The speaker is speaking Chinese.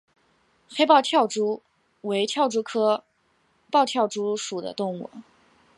黑豹跳蛛为跳蛛科豹跳蛛属的动物。